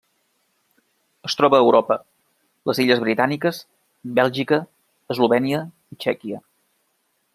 Es troba a Europa: les illes Britàniques, Bèlgica, Eslovènia i Txèquia.